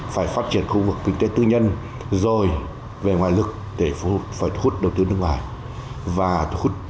phải phát triển khu vực kinh tế tư nhân rồi về ngoại lực để thu hút nội lực